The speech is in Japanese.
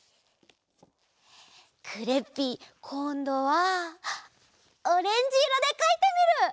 クレッピーこんどはオレンジいろでかいてみる！